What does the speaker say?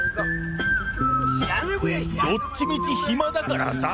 どっちみち暇だからさ。